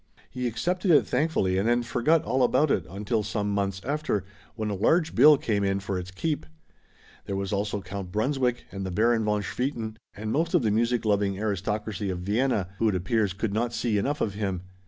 He accepted it thankfully and then forgot all about it until some months after, when a large bill came in for its keep. There was also Count Brunswick and the Baron von Swieten, and most of the music loving aristocracy of Vienna, who it appears could not see enough of him.